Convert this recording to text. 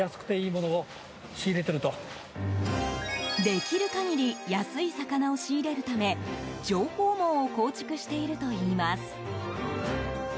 できる限り安い魚を仕入れるため情報網を構築しているといいます。